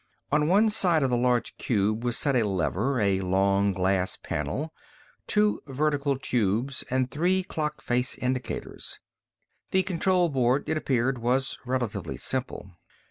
On one side of the large cube was set a lever, a long glass panel, two vertical tubes and three clock face indicators. The control board, it appeared, was relatively simple.